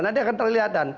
nanti akan terlihat